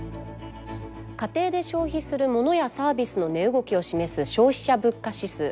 家庭で消費するモノやサービスの値動きを示す消費者物価指数。